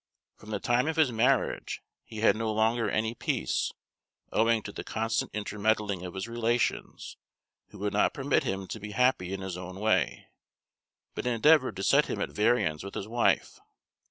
From the time of his marriage he had no longer any peace, owing to the constant intermeddling of his relations, who would not permit him to be happy in his own way, but endeavored to set him at variance with his wife.